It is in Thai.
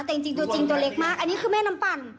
แต่จริงตัวจริงตัวเล็กมากอันนี้คือแม่น้ำปั่น